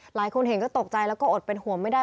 หลายคนเห็นก็ตกใจแล้วก็อดเป็นห่วงไม่ได้